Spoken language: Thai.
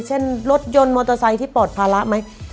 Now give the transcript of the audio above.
เช่นรถยนต์มอเตอร์ไซค์ที่ปลอดภาระไหม